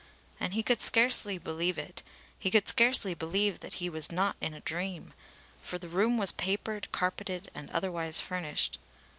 And he could scarcely believe it, he could scarcely believe that he was not in a dream, for the room was papered, carpeted and otherwise furnished.